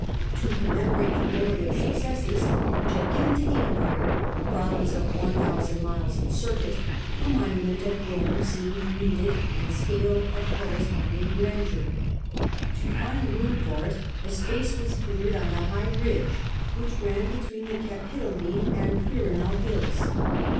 To commemorate the glory of successes which had given to the empire a province of i,ooo miles in circuit. The monu ^ monument at Rome seemed neeeded on a scale of corresponding grandeur. To find room for it a space was cleared on the high ridge which ran between the Capitoline and Quirinal hills.